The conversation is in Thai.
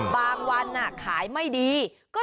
บางวันขายไม่ดี